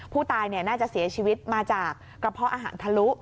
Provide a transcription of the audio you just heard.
ผู้ตายน่าจะเสียชีวิตมาจากกระเพาะอาหารทะลุ